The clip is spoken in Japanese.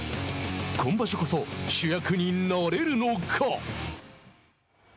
今場所こそ主役に、なれるのか？